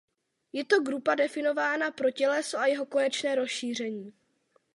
Je to grupa definována pro těleso a jeho konečné rozšíření.